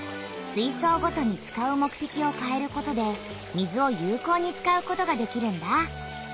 水そうごとに使う目てきをかえることで水を有こうに使うことができるんだ。